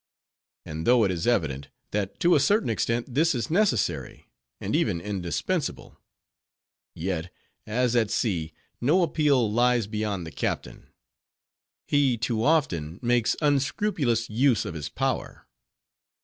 And though it is evident, that to a certain extent this is necessary, and even indispensable; yet, as at sea no appeal lies beyond the captain, he too often makes unscrupulous use of his power.